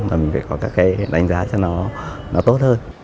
và mình phải có các cái đánh giá cho nó nó tốt hơn